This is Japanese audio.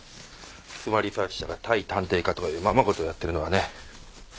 スマ・リサーチ社が対探偵課とかいうままごとやってるのはね。